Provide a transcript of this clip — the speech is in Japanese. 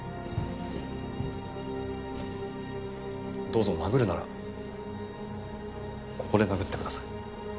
どうぞ殴るならここで殴ってください。